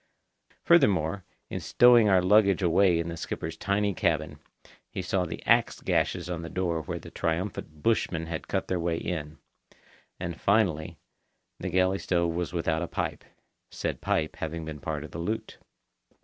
Furthermore, in stowing our luggage away in the skipper's tiny cabin, he saw the axe gashes on the door where the triumphant bushmen had cut their way in. And, finally, the galley stove was without a pipe—said pipe having been part of the loot.